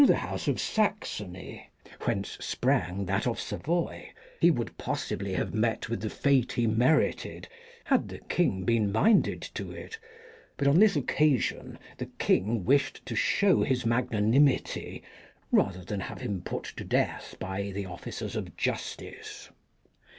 the House of Saxony, whence sprang that of Savoy, lie would possibly have met with the fate he merited, had the King been minded to it ; but on this occasion the King wished to show his magnanimity rather than have him put to death by the officers of justice.